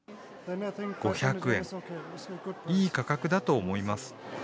５００円、いい価格だと思います。